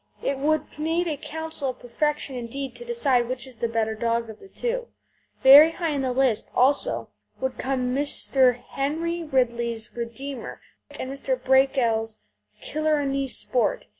It would need a council of perfection, indeed, to decide which is the better dog of the two. Very high in the list, also, would come Mr. Henry Ridley's Redeemer and Mr. Breakell's Killarney Sport.